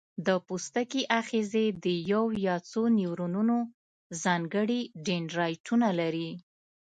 د پوستکي آخذې د یو یا څو نیورونونو ځانګړي دندرایدونه دي.